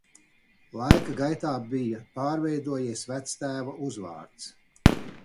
Laika gaitā bija pārveidojies vectēva uzvārds.